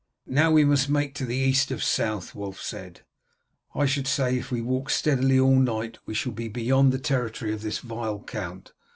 "Now we must make to the east of south," Wulf said. "I should say if we walk steadily all night we shall be beyond the territory of this vile count.